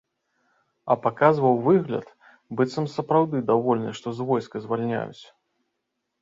А паказваў выгляд, быццам сапраўды давольны, што з войска звальняюць.